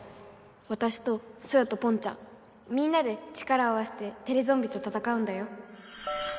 わたしとソヨとポンちゃんみんなで力を合わせてテレゾンビとたたかうんだよ。